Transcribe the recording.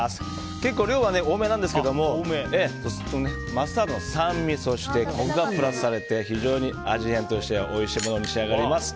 結構、量は多めなんですけどマスタードの酸味、コクがプラスされて非常に味わいとしておいしいものが仕上がります。